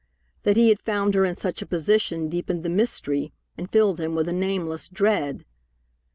That he had found her in such a position deepened the mystery and filled him with a nameless dread.